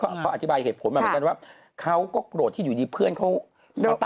เขาอธิบายเหตุผลมาเหมือนกันว่าเขาก็โกรธที่อยู่ดีเพื่อนเขาตาย